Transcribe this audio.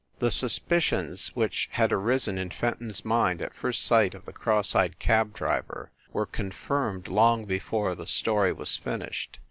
The suspicions which had arisen in Fenton s mind at first sight of the cross eyed cab driver were con firmed long before the story was finished.